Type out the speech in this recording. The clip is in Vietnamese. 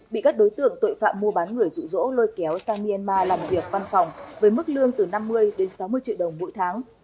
bị các đối tượng tội phạm mua bán người rụ rỗ lôi kéo sang myanmar làm việc văn phòng với mức lương từ năm mươi đến sáu mươi triệu đồng mỗi tháng